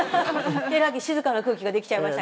えらく静かな空気ができちゃいましたが。